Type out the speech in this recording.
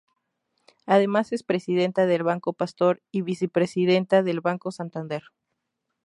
Además es presidenta del Banco Pastor y vicepresidenta del Banco Santander.